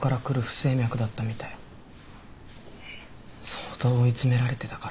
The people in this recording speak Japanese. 相当追い詰められてたから。